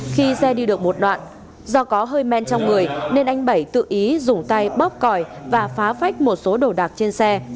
khi xe đi được một đoạn do có hơi men trong người nên anh bảy tự ý dùng tay bóp còi và phá phách một số đồ đạc trên xe